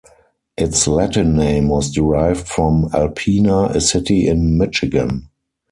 Its Latin name was derived from Alpena, a city in Michigan.